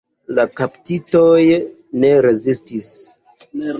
La kaptitoj ne rezistis.